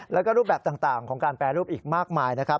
แล้วก็รูปแบบต่างของการแปรรูปอีกมากมายนะครับ